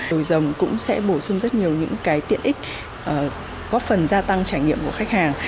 đồi rồng cũng sẽ bổ sung rất nhiều những cái tiện ích có phần gia tăng trải nghiệm của khách hàng